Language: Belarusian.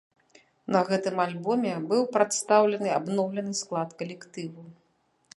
На гэтым альбоме быў прадстаўлены абноўлены склад калектыву.